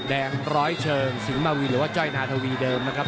แดงร้อยเชิงสิงหมาวีหรือว่าจ้อยนาธวีเดิมนะครับ